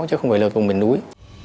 chứ không phải là vùng miền núi